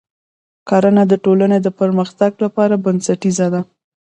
کرنه د ټولنې د پرمختګ لپاره بنسټیزه ده.